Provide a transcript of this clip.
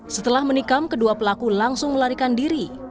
setelah menikam kedua pelaku langsung melarikan diri